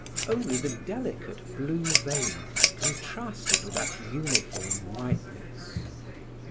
Only the delicate blue veins contrasted with that uniform whiteness.